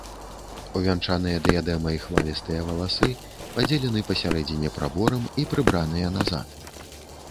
Увянчаныя дыядэмай хвалістыя валасы падзелены пасярэдзіне праборам і прыбраныя назад.